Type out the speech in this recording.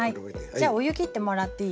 じゃお湯きってもらっていい？